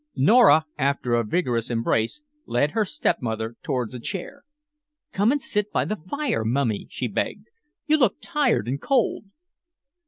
Nora, after a vigorous embrace, led her stepmother towards a chair. "Come and sit by the fire, Mummy," she begged. "You look tired and cold."